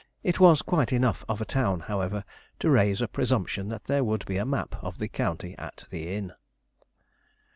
It was quite enough of a town, however, to raise a presumption that there would be a map of the county at the inn.